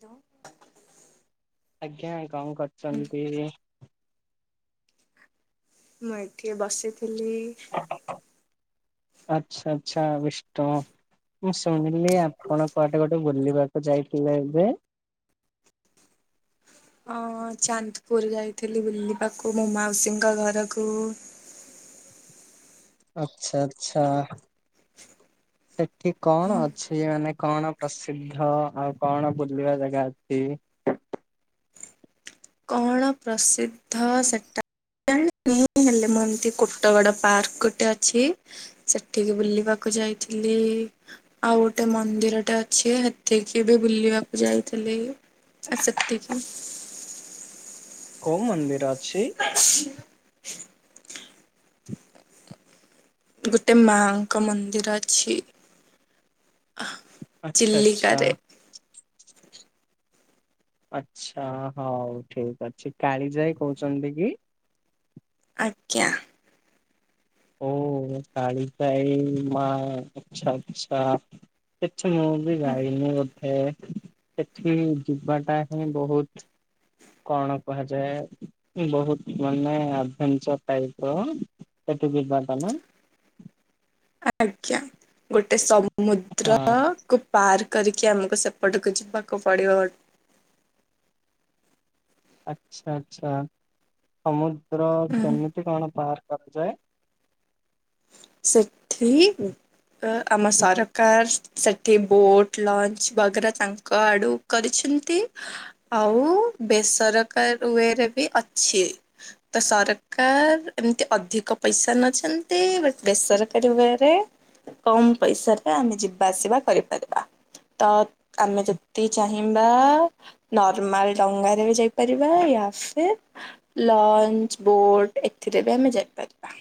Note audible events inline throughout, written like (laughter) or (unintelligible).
Hello. ଆଜ୍ଞା କଣ କରୁଚନ୍ତି? ମୁଁ ଏଠି ବସିଥିଲି। ଆଛା ଆଚ୍ଛା ବିଷ୍ଟ ମୁଁ ଶୁଣିଲି ଆପଣ କୁଆଡ଼େ ଗୋଟେ ବୁଲିବାକୁ ଯାଇଥିଲେ ଏବେ? ହଁ ଚାନ୍ଦପୁର ଯାଇଥିଲି ବୁଲିବାକୁ ମୋ ମାଉସୀଙ୍କ ଘରକୁ। ଆଚ୍ଛା ଆଛା। (inaudible) ସେଠି କଣ ଅଛି ମାନେ କଣ ପ୍ରସିଦ୍ଧ ଆଉ କଣ ବୁଲିବା ଜାଗା ଅଛି? ଣ ପ୍ରସିଦ୍ଧ ସେଟା ହେଲେ (unintelligible) ଏମିତି କୁଟଗଡ଼ ପାର୍କଟେ ଅଛି ସେଠିକି ବୁଲିବାକୁ ଯାଇଥିଲି ଆଉ ଗୋଟେ ମନ୍ଦିରଟେ ଅଛି ହେଠିକିବି ବୁଲିବାକୁ ଯାଇଥିଲି। ଆ ସେତିକି। କୋଉ ମନ୍ଦିର ଅଛି? (unintelligible) ଗୋଟେ ମାଙ୍କ ମନ୍ଦିର ଅଛି। ଆଚ୍ଛା ଆଚ୍ଛା। ଚିଲିକାରେ ଆଚ୍ଛା ହଉ ଠିକ୍ ଅଛି କାଳିଯାଇ କହୁଚନ୍ତି କି? ଆଜ୍ଞା। ଓ କାଳିଜାଈ ମା ଆଚ୍ଛା ଆଚ୍ଛା। ସେଠି ମୁଁ ବି ଯାଇନି ବୋଧେ ସେଠି ଯିବାଟା ହିଁ ବହୁତ୍ କଣ କୁହାଯାଏ ବହୁତ୍ ମାନେ ଆଭେଞ୍ଚଚର୍ ଟାଇପ୍ ର ହେଠୁ ଯିବାଟାନା? ଆଜ୍ଞା ଗୋଟେ ହଁ ସମୁଦ୍ର କୁ, ପାର୍ କରିକି ଆମକୁ ସେପଟକୁ ଯିବାକୁ ପଡ଼ିବ ବଧ୍ ଆଚ୍ଛା-ଆଚ୍ଛା ସମୁଦ୍ର ହୁଁ। କେମିତି କଣ ପାର କରାଯାଏ? ସେଠିକି, ତ ଆମ ସରକାର ସେଠି ବୋଟ୍ ଲଞ୍ଚ ବଗରା ତାଙ୍କ ଆଡ଼ୁ, କରିଛନ୍ତି ଆଉ ବେସରକାରୀ ୱେରେ ବି ଅଛି, ତ ସରକାର ଏମିତି ଅଧିକ ପଇସା ନଛନ୍ତି ବେ ବେସରକାରୀ ୱୟରେ କମ୍ ପଇସରେ ଆମେ ଯିବା ଆସିବା କରିପାରିବା, ତ ଆମେ ଯଦି ଚାହିଁବା, ନର୍ମାଲ ଡଙ୍ଗାରେ ବି ଯାଇପାରିବା ୟା ଫିର୍, ଲଞ୍ଚ ବୋଟ୍ ଏଥିରେ ବି ଆମେ ଯାଇପାରିବା,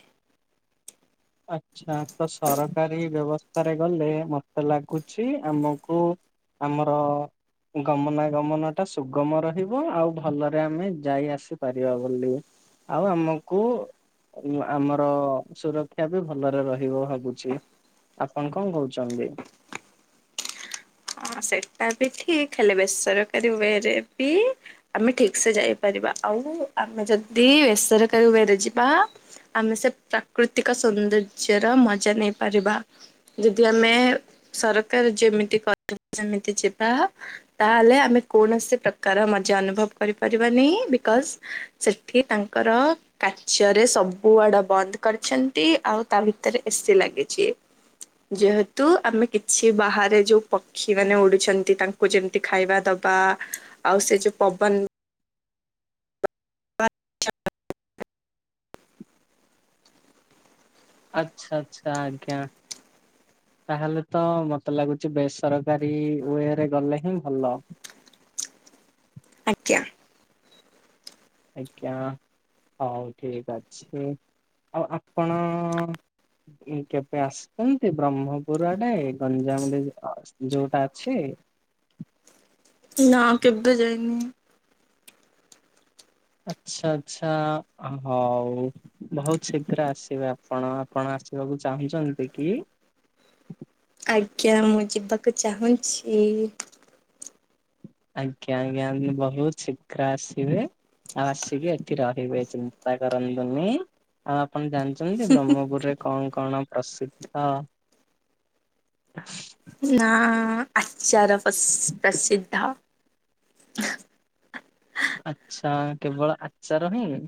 ଆଚ୍ଛା ତ ସରକାରୀ ବ୍ୟବସ୍ଥାରେ ଗଲେ ମତେ ଲାଗୁଛି ଆମକୁ, ଆମର, ଗମନାଗମନ ଟା ସୁଗମ ରହିବ ଆଉ ଭଲରେ ଆମେ ଯାଇ ଆସିପାରିବା ବୋଲି, ଆଉ ଆମକୁ ଆମର ସୁର ଶିକ୍ଷା ବି ଭଲରେ ରହିବ ଭାବୁଛି ଆପଣ କଣ କହୁଛନ୍ତି? ହଁ ସେଇଟା ବି ଠିକ୍ ହେଲେ ବେସରକାରୀ ୱେରେ ବି, ଆମେ ଠିକ୍ ସେ ଯାଇପାରିବା ଆଉ ଆମେ ଯଦି ବେସରକାରୀ ଉଭୟରେ ଯିବା, ଆମେ ସେ ପ୍ରାକୃତିକ ସୌନ୍ଦର୍ଯ୍ୟ ର ମଜା ନେଇପାରିବା, ଯଦି ଆମେ ସରକାର ଯେମିତି କ ଯେମିତି ଯିବା, ତାହେଲେ ଆମେ କୌଣସି ପ୍ରକାର ମଜା ଅନୁଭବ କରିପାରିବାନି ବିକଜ୍, ସେଠି ତାଙ୍କର, କାଚରେ ସବୁ ଆଡ଼ ବନ୍ଦ କରିଛନ୍ତି ଆଉ ତା ଭିତରେ ଏସିି ଲାଗିଛି, ଯେହେତୁ ଆମେ କିଛି ବାହାରେ ଯୋଉ ପ କ୍ଷୀ ମାନେ ପଡ଼ୁଛନ୍ତି ତାଙ୍କୁ ଯେମିତି ଖାଇବା ଦବା ଆଉ ସେ ଯୋଉ ପବନ୍, ବା (inaudible) ଆଚ୍ଛା-ଆଚ୍ଛା ଆଜ୍ଞା, ତାହେଲେ ତ ମତେ ଲାଗୁଛି ବେସରକାରୀ ୱେରେ ଗଲେ ହିଁ ଭଲ, ଆଜ୍ଞା, ଆଜ୍ଞା ହଉ ଠିକ୍ ଅଛି ଆଉ ଆପଣ, ଏଇ କେବେ ଆସୁଛନ୍ତି ବ୍ରହ୍ମପୁର ଆଡ଼େ ଗଞ୍ଜାମ ଅସ୍ ଯୋଉଟା ଅଛି, ନା କେବେ ଯାଇନି, ଆଚ୍ଛା-ଆଚ୍ଛା ଆ ହଉ, ବହୁତ୍ ଶୀଘ୍ର ଆସିବେ ଆପଣ-ଆପଣ ଆସିବାକୁ ଚାହୁଁଛନ୍ତି କି, ଆଜ୍ଞା ମୁଁ ଯିବାକୁ ଚାହୁଁଛି, ଆଜ୍ଞା-ଆଜ୍ଞା ମୁଁ ବହୁତ୍ ଶୀଘ୍ର ଆସିବେ, ଆଉ ଆସିକି ଏଠି ରହିବେ ଚିନ୍ତା କରନ୍ତୁନି ଆଉ ଆପଣ ଜାଣିଛନ୍ତି ବ୍ରହ୍ମପୁରରେ, କଣ-କଣ ପ୍ରସିଦ୍ଧ? ନା ଆଚାର ପସ୍ ପ୍ରସିଦ୍ଧ, ଆଚ୍ଛା କେବଳ ଆଚାର ହିଁ,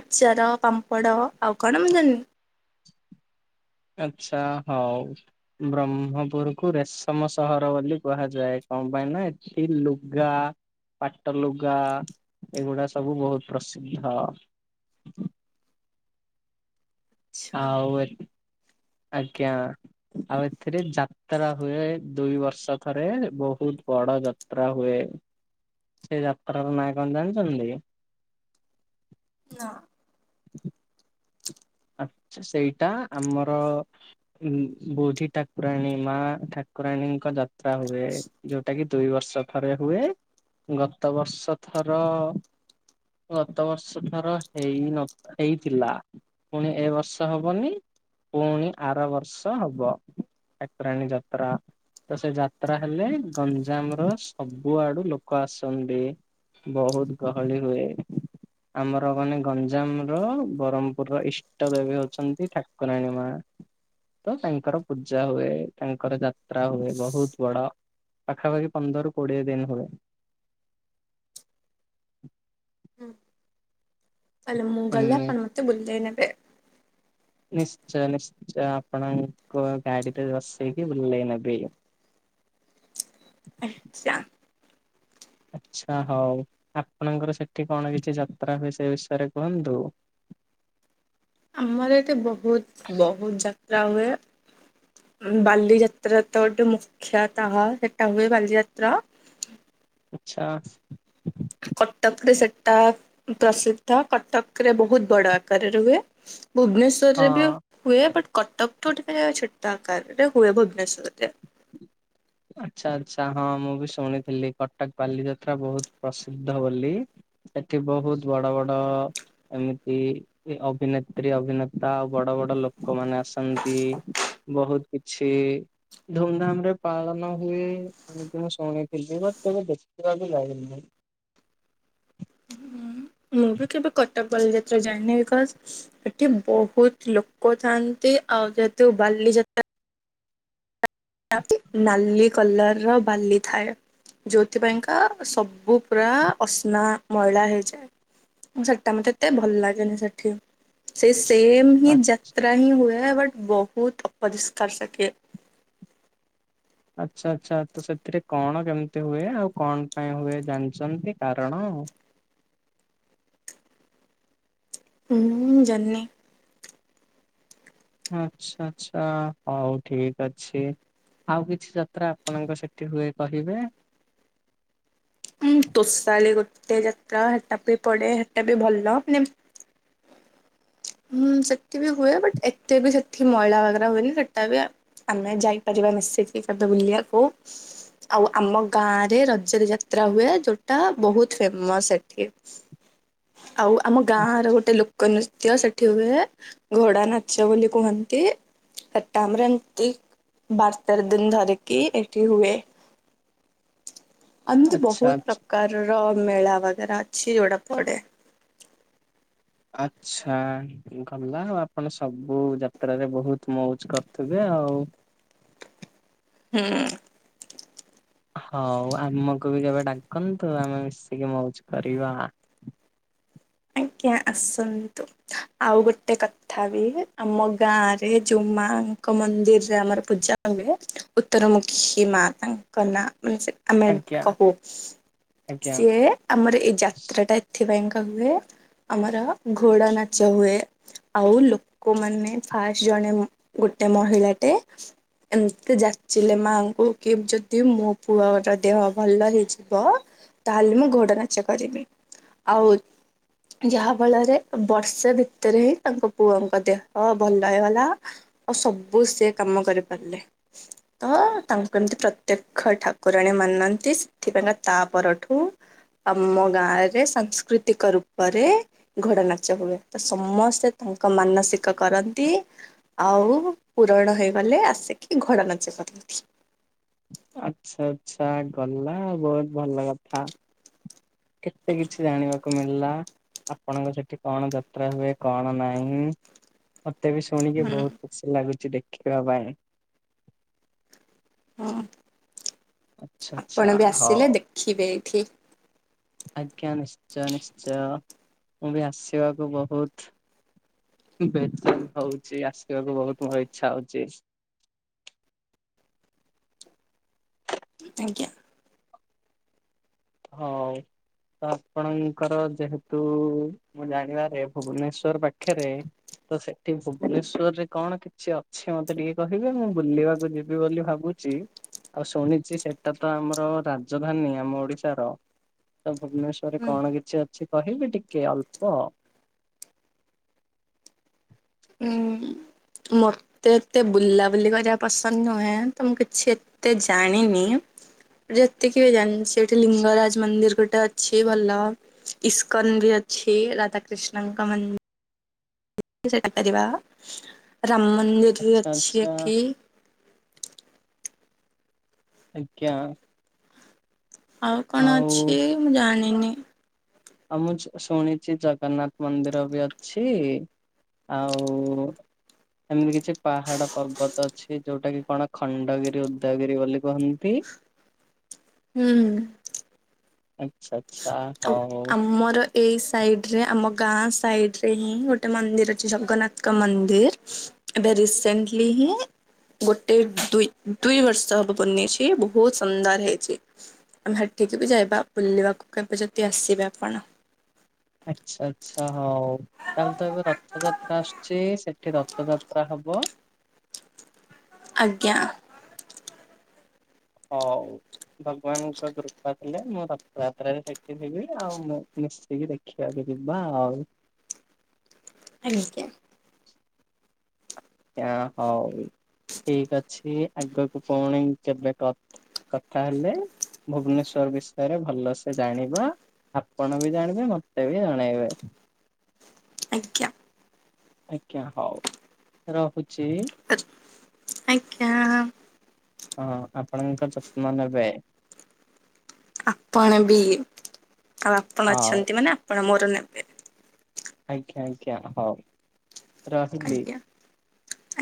ଆଚାର, ପାମ୍ପଡ଼ ଆଉ କଣ ମୁଁ ଜାଣିନି, ଆଚ୍ଛା ହଉ, ବ୍ରହ୍ମପୁର କୁ ରେଶମ ସହର ବୋଲି କୁହାଯାଏ କଣ ପାଇଁ ନା ଏଠି ଲୁଗା, ପାଟ ଲୁଗା ଏଗୁଡ଼ା ସବୁ ବହୁତ୍ ପ୍ରସିଦ୍ଧ, ଆଚ୍ଛା। ଆଉ ଏଠି ଆଜ୍ଞା, ଆଉ ଏଥିରେ ଯାତ୍ରା ହୁଏ ଦୁଇ ବର୍ଷ ଥରେ ବହୁତ ବଡ ଯାତ୍। ଯାତ୍ରା ହୁଏ ସେ ଯାତ୍ରାର ନାଁ କଣ ଜାଣିଛନ୍ତି? ନା। (inaudible) ଆଚ୍ଛା ସେଇଟା ଆମର ବୋଧି ଠାକୁରାଣୀ ମା ଠାକୁରାଣୀଙ୍କ ଯାତ୍ରା ହୁଏ। ଯୋଉଟା କି ଦୁଇ ବର୍ଷ ଥରେ ହୁଏ ଗତ ବର୍ଷ ଥର ଗତ ବର୍ଷ ଥର ହେଇ ନ ହେଇଥିଲା। ପୁଣି ଏ ବର୍ଷ ହବନି। ପୁଣି ଆର ବର୍ଷ ହବ ଏକରାଣୀ ଯାତ୍ରା। ତ ସେ ଯାତ୍ରା ହେଲେ ଗଞ୍ଜାମ ର ସବୁ ଆଡୁ ଲୋକ ଆସନ୍ତି। ବହୁତ ଗହଳି ହୁଏ। ଆମର ମାନେ ଗଞ୍ଜାମ ର ବ୍ରହ୍ମପୁର ଇଷ୍ ତ ଇଏବି ହଉଛନ୍ତି ଠାକୁରାଣୀ ମା। ତ ତାଙ୍କର ପୂଜା ହୁଏ ତାଙ୍କର ଯାତ୍ରା ହୁଏ ବହୁତ ବଡ। ପାଖାପାଖି ପନ୍ଦର କୋଡିଏ ଦିନ ହୁଏ। ଆଲୋ ମୁଁ ଗଲେ ଏମି ଆପଣ ମତେ ବୁଲେଇ ନେବେ। ନିଶ୍ଚୟ ନିଶ୍ଚୟ ଆପଣଙ୍କୁ ଗାଡିରେ ବସେଇକି ବୁଲେଇ ନେବି। ଆ ସଙ୍ଗ ଆଚ୍ଛା ହଉ ଆପଣଙ୍କର ସେଠି କଣ କିଛି ଯାତ୍ରା ହୁଏ ସେ ବିଷୟରେ କୁହନ୍ତୁ? ଆମର ଏଠେ ବହୁତ ବହୁତ ଯାତ୍ରା ହୁଏ। ଉଁ ବାଲିଯାତ୍ରା ତ ଗୋଟେ ମୁଖ୍ୟତଃ ସେଟା ହୁଏ ବାଲିଯାତ୍ର। ଆଛା। କଟକରେ ସେଟା ପ୍ରସିଦ୍ଧ କଟକରେ ବହୁତ ବଡ଼ ଆକାରରେ ରୁହେ। ଭୁବନେଶ୍ୱର ହଁ ରରେ ବି ହୁଏ ବଟ୍ କଟକ ଠୁ ଟିକେ ଛୋଟ ଆକାରରେ ହୁଏ ଭୁବନେଶ୍ୱରରେ। ଆଚ୍ଛା ଆଚ୍ଛା ହଁ ମୁଁ ବି ଶୁଣିଥିଲି କଟକ ବାଲିଯାତ୍ରା ବହୁତ ପ୍ରସିଦ୍ଧ ବୋଲି। ସେଠି ବହୁତ ବଡ ବଡ ଏମିତି ଅଭିନେତ୍ରୀ ଅଭିନେତା ଆଉ ବଡ ବଡ ଲୋ ଲୋକମାନେ ଆସନ୍ତି ବହୁତ କିଛି ଧୁମଧାମ ରେ ପାଳନ ହୁଏ ଏମିତି ମୁଁ ଶୁଣିଥିଲି ବଟ ତାକୁ ଦେଖିବା କୁ ଯାଇନି। ମୁଁ ବି କେବେ କଟକ ବାଲିଯାତ୍ରା ଜାଇିନି ବିକଚ। ସେଠି ବହୁତ ଲୋକ ଥାନ୍ତି ଆଉ ଯେହେତୁ ବାଲିଯାତ୍ର ନାଲି କଲର ର ବାଲି ଥାଏ। ଯେଉଁଥିପାଇକା ସବୁ ପୁରା ଅସ୍ନା ମଇଳା ହେଇଯାଏ। ସେଟା ମତେ ଏତେ ଭଲ ଲାଗେନି ସେଠି। ସେ ସେମହିଁ ଜାତ୍ରା ହିଁ ହୁଏ ବଟ ବହୁତ ଅପରିଷ୍କାର ସେଠି। ଆଚ୍ଛା ଆଚ୍ଛା ତ ସେଥିରେ କଣ କେମିତି ହୁଏ ଆଉ କଣ ପାଇଁ ହୁଏ ଜାଣିଛନ୍ତି କାରଣ? ମୁଁ ଜାଣିନି। ଆଚ୍ଛା ଆଛା ହଉ ଠିକ ଅଛି। ଆଉ କିଛି ଯାତ୍ରା ଆପଣଙ୍କ ସେଠି ହୁଏ କହିବେ? ଉଁ ତୋଷାଲି, ଗୋଟେ ଯାତ୍ରା ହେଟା ବି ପଡେ ହେଟା ବି ଭଲ ମାନେ ହୁଁ ସେଠିବି ହୁଏ ବଟ ଏତେ ବି ସେଠି ମଇଳା ବଗେରା ହୁଏନି ସେଟା ବି ଆମେ ଯାଇପାରିବା ମିଶିକି କେବେ ବୁଲିିବାକୁ। ଆଉ ଆମ ଗାଁ ରେ ରଜରେ ଯାତ୍ରା ହୁଏ ଯୋଉଟା ବହୁତ ଫେମସ ଏଠି। ଆଉ ଆମ ଗାଁର ଗୋଟେ ଲୋକ ନୁ ତ୍ୟ ସେଠି ହୁଏ ଘୋଡା ନାଚ ବୋଲି କୁହନ୍ତି। ସେଟା ଆମର୍ ଏମ୍ତି ବାସ୍ ତେର ଦିନ୍ ଧରିକି ଏଠି ହୁଏ ଆଏମିତି ଆଚ୍ଛା ବହୁତ୍ ଆଚ୍ଛା ପ୍ରକାରର ମେଳା ବଗେରା ଅଛି ଯୋଉଟା ପଡେ। ଆଚ୍ଛା। ଗଲା ଆଉ ଆପଣ ସବୁ ଯାତ୍ରାରେ ବହୁତ୍ ମଉଜ୍ କର୍ ଥିବେ ଆଉ। ହୁଁ। ହଉ ଆମକୁ ବି କେବେ ଡାକନ୍ତୁ ଆମେ ମିଶିକି ମଉଜ୍ କରିବା। ଆଜ୍ଞା ଆସନ୍ତୁ। ଆଉ ଗୋଟେ କଥା ବିବେ ଆମ ଗାଁ ରେ ଜଉ ମାଁଙ୍କ ମନ୍ଦିର୍ରେ ଆମର ପୂଜା ଆମେ ଉତ୍ତରମୁଖୀ ମା ତାଙ୍କ ନାଁ ମାନେ ସେ ଆମେ ଆଜ୍ଞା କହୁ ଆଜ୍ଞା ସିଏ ଆମର ଏଇ ଯାତ୍ରା ଟା ଏଥିପାଇଁ କା ହୁଏ ଆମର ଘୋଡ଼ା ନାଚ ହୁଏ ଆଉ ଲୋକମାନେ ଫାଷ୍ଟ୍ ଜଣେ ଗୋଟେ ମହିଳାଟେ ଏମ୍ତି ଯାଚିଲେ ମାଁଆଙ୍କୁ କି ଯଦି ମୋ ପୁଅର ଦେହ ଭଲ ହେଇଯିବ ତାହେଲେ ମୁଁ ଘୋଡା ନାଚ କରିବି ଆଉ ଯାହା ଫଳରେ ବର୍ଷେ ଭିତେରେ ତାଙ୍କ ପୁଅଙ୍କ ଦେହ ଭଲ ହେଇଗଲା ଆଉ ସବୁ ସିଏ କାମ କରିପାର୍ଲେ। ତ ତାଙ୍କୁ ଏମିତି ପ୍ରତ୍ୟକ୍ଷ ଠାକୁରାଣୀ ମାନନ୍ତି ସେଥିପାଇଁକା ତା ପରଠୁ ଅମ ଗାଁରେ ସାଂସ୍କୃତିକ ରୂ ପରେ ଘୋଡ଼ା ନାଚ ହୁଏ ତ ସମସ୍ତେ ତାଙ୍କ ମାନସିକ କରନ୍ତି ଆଉ ପୂରଣ ହେଇଗଲେ ଆସିକି ଘୋଡ଼ା ନାଚ କରନ୍ତି। ଆଚ୍ଛା ଆଛା ଗଲା ବହୁତ୍ ଭଲ କଥା। କେତେ କିଛି ଜାଣିବାକୁ ମିଲା। ଆପଣଙ୍କ ସେଠି କଣ ଯାତ୍ରା ହୁଏ କଣ ନାହିଁ ମତେ ବି ଶୁଣିକି ହୁଁ ବହୁତ୍ ଖୁସି ଲାଗୁଛି ଦେଖିବା ପାଇଁ। ହଁ ଆଚ୍ଛା ଆଚ୍ଛା ଆପଣ ବି ଆସିଲେ ହଉ ଦେଖିବେ ଏଇଠି। ଆଜ୍ଞା ନିଶ୍ଚୟ ନିଶ୍ଚୟ ମୁଁ ବି ଆସିବାକୁ ବହୁତ୍ ବେଜଙ୍ଗ୍ ହଉଛି ଆସିବାକୁ ବହୁତ୍ ମୋର ଇଚ୍ଛା ହଉଛି। ଆଜ୍ଞା। ହଉ। ତ ଆପଣଙ୍କର ଯେହେତୁ ମୁଁ ଜାଣିବାରେ ଭୁବନେଶ୍ଵର୍ ପାଖରେ ତ ସେଠି ଭୁବନେଶ୍ୱର୍ ରେ କଣ କିଛି ଅଛି ମତେ ଟିକେ କହିବେ ମୁଁ ବୁଲିବାକୁ ଯିବି ବୋଲି ଭାବୁ ଆଉ ଶୁଣିଛି ସେଟା ତ ଆମର ରାଜଧାନୀ ଆମ ଓଡି ତାର ଭୁବନେଶ୍ଵର୍ ରେ ଉଁ କଣ କିଛି ଅଛି କହିବି ଟିକେ ଅଳ୍ପ। ଉଁ ମୋର୍ ମତେ ଏତେ ବୁଲାବୁଲି କରିବା ପସନ୍ଦ୍ ନୁହେଁ ତ ମୁଁ କିଛି ଏତେ ଜାଣିନି ଯେତିକି ବି ଜାଣ୍ଚି ଏଠି ଲିଙ୍ଗରାଜ୍ ମନ୍ଦିର୍ ଗୁଇଟା ଅଛି ଭଲ ଇସ୍କନ୍ ବି ଅଛି ରାଧାକୃଷ୍ଣଙ୍କ ମନ୍ ସେଇଟା କରିବା ରାମ୍ ମନ୍ଦିର୍ ବି ଆଚ୍ଛା ଅଛି ଆଚ୍ଛା ଏଠି ଆଜ୍ଞା। ଆଉ କଣ ଅଛି ମୁଁ ଜାଣିନି। ଆଉ ମୁଁ ଶୁ ଶୁଣିଛି ଜଗନ୍ନାଥ୍ ମନ୍ଦିର ବି ଅଛି। ଆଉ ଏମିତି କିଛି ପାହାଡ ପର୍ବତ ଅଛି ଯୋଉଟା କି କଣ ଖଣ୍ଡଗିରି ଉଦୟଗିରି ବୋଲି କୁହନ୍ତି। ହୁଁ। ଆଚ୍ଛା। ଆଚ୍ଛା ଆଉ ହଉ ଆମର ଏଇ ସାଇଡି ରେ ଆମ ଗାଁ ସାଇଡି ରେ ହିଁ ଗୋଟେ ମନ୍ଦିର ଅଛି ଜଗନ୍ନାଥଙ୍କ ମନ୍ଦିର ଏଭେ ରିସେଣ୍ଟଲି ହିଁ ଗୋଟେ ଦୁଇ ଦୁଇ ବର୍ଷ ହବ ବନେଇଛି ବହୁତ ସୁନ୍ଦର ହେଇଛି। ଆମେ ହେଠିକି ବି ଯାଇବା ବୁଲିବାକୁ କେବେ ଯଦି ଆସିବେ ଆପଣ। ଆଚ୍ଛା ଆଛା ହଉ। ତାହେଲେ ତ ଏବେ ରଥଯାତ୍ରା ଆସୁଛି ସେଠି ରଥଯାତ୍ରା ହବ? ଆଜ୍ଞା। ହଉ। ଭଗବାନଙ୍କ କୃପା ଥିଲେ ମୁଁ ରଥ ଯାତ୍ରାରେ ସେଠି ଥିବି ଆଉ ମୁଁ ମିଶିକି ଦେ ଖିଆ ଯିବା ଆଉ। ଆଜ୍ଞା। ଏଆଁ ହଉ ଠିକ ଅଛି ଆଗକୁ ପୁଣି କେବେ କ କଥା ହେଲେ ଭୁବନେଶ୍ଵର ବିଷୟରେ ଭଲସେ ଜାଣିବା। ଆପଣ ବି ଜାଣିବେ ମତେ ବି ଜଣେଇବେ। ଆଜ୍ଞା। ଆଜ୍ଞା ହଉ ରହୁଚି। ଆଜ୍ଞା। ହଁ ଆପଣଙ୍କ ଯତ୍ନ ନେବେ। ଆପଣ ବି ଆଉ ଆପଣ ହଉ ଅଛନ୍ତି ମାନେ ଆପଣ ମୋର ନେବେ। ଆଜ୍ଞା ଆଜ୍ଞା ହଉ ରହିଲି। ଆଜ୍ଞା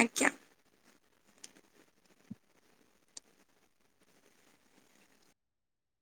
ଆଜ୍ଞା।